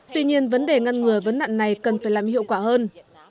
tuy nhiên vấn đề ngăn ngừa vấn nạn này cần phải làm hiệu quả hơn